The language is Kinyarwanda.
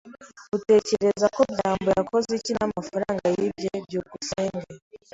Utekereza ko byambo yakoze iki n'amafaranga yibye? byukusenge